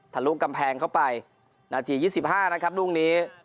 ทะลุกกำแพงเข้าไปนาทียี่สิบห้านะครับลูกนี้